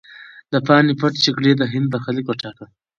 د پاني پت جګړې د هند برخلیک وټاکه.